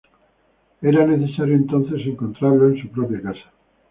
Era necesario entonces encontrarlo en su propia casa.